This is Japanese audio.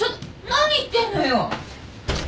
何言ってんのよ？